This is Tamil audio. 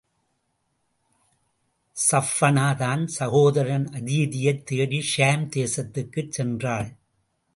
ஸஃப்பானா தன் சகோதரன் அதீயைத் தேடி, ஷாம் தேசத்துக்குச் சென்றாள்.